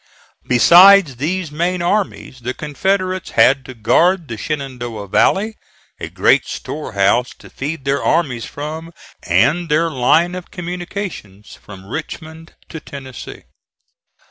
Beside these main armies the Confederates had to guard the Shenandoah Valley, a great storehouse to feed their armies from, and their line of communications from Richmond to Tennessee.